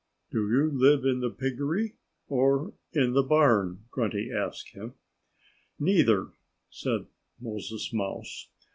"Do you live in the piggery? or in the barn?" Grunty asked him. "Neither!" said Moses Mouse.